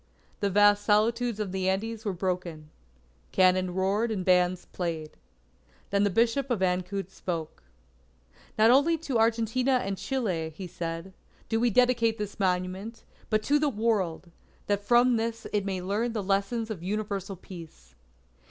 The vast solitudes of the Andes were broken. Cannon roared and bands played. Then the Bishop of Ancud spoke: "Not only to Argentina and Chile," he said, "do we dedicate this monument, but to the World, that from this it may learn the lesson of Universal Peace."